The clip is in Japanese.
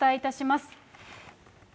速報でお伝えいたします。